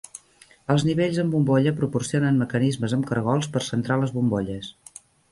Els nivells amb bombolla proporcionen mecanismes amb cargols per centrar les bombolles.